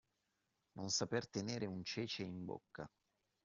Non saper tenere un cece in bocca.